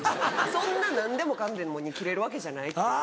そんな何でもかんでもにキレるわけじゃないっていう。